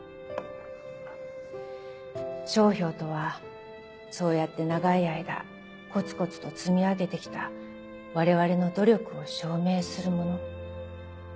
商標とはそうやって長い間コツコツと積み上げてきた我々の努力を証明するもの。